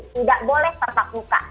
tidak boleh tetap muka